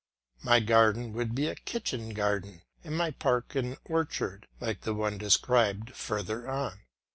My garden should be a kitchen garden, and my park an orchard, like the one described further on.